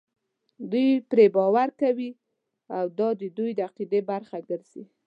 دوی پرې باور کوي او دا د دوی د عقیدې برخه ګرځي.